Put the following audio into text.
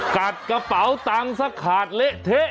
กัดกระเป๋าตังสถานสถานสถานสถานเล่ะเท่